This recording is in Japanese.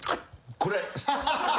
これ。